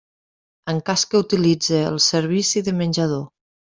En cas que utilitze el servici de menjador.